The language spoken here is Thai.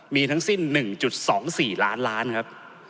มีทั้งสิ้น๑๒๔ล้านล้านครับ